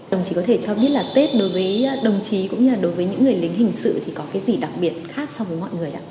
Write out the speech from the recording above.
đồng chí có thể cho biết là tết đối với đồng chí cũng như là đối với những người lính hình sự thì có cái gì đặc biệt khác so với mọi người ạ